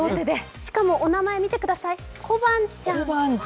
しかも、お名前見てください、コバンちゃん。